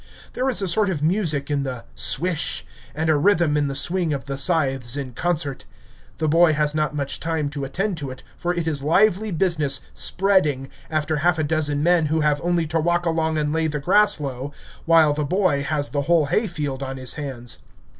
There is a sort of music in the "swish" and a rhythm in the swing of the scythes in concert. The boy has not much time to attend to it, for it is lively business "spreading" after half a dozen men who have only to walk along and lay the grass low, while the boy has the whole hay field on his hands.